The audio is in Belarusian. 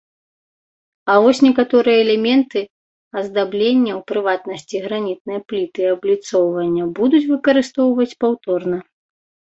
А вось некаторыя элементы аздаблення, у прыватнасці, гранітныя пліты абліцоўвання, будуць выкарыстоўваць паўторна.